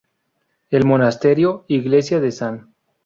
El monasterio Iglesia de San.